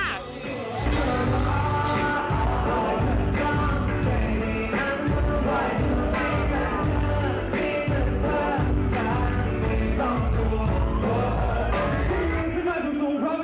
ยิ่งดึกก็ยิ่งคือข่าวเมื่อสี่หนุ่มเจสเตอร์